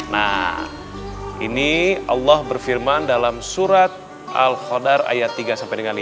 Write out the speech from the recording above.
nah ini allah berfirman dalam surat al khodar ayat tiga sampai dengan lima